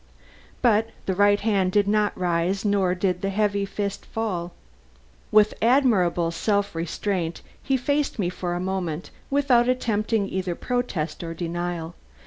But the right hand did not rise nor the heavy fist fall. With admirable self restraint he faced me for a moment, without attempting either protest or denial.